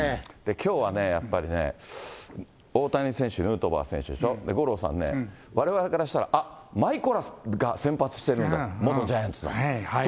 きょうはね、やっぱりね、大谷選手、ヌートバー選手でしょ、五郎さんね、われわれからしたら、あっ、マイコラスが先発してるんだって、元ジャイアンツの。